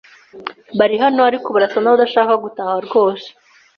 Bari hano, ariko barasa nabadashaka gutaha rwose?